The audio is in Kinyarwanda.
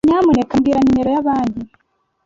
Nyamuneka mbwira nimero ya banki.